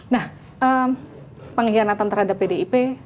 nah pengkhianatan terhadap pdip